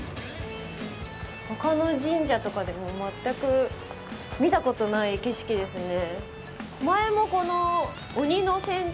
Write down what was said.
ほかの神社とかでも全く見たことない景色ですね。